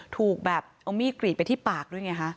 ถูกแบบเอามีดกรีดไปที่ปากด้วยไงฮะ